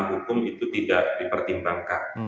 karena hukum itu tidak dipertimbangkan